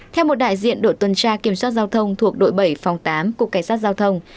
theo một đại diện đội tuần tra kiểm soát giao thông thuộc đội bảy phòng tám cục cảnh sát giao thông